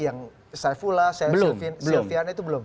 saifullah sylviana itu belum